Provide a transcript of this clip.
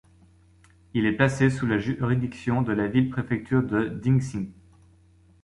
Il est placé sous la juridiction de la ville-préfecture de Dingxi.